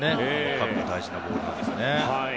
カーブが大事なボールなんですね。